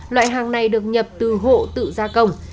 loại hàng này được nhập từ hộ tự gia công